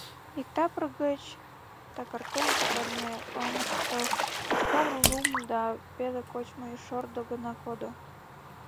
Иктапыр гыч такыртен пытарыме олмышто йошкар лум да пеле кочмо шордо гына кодо.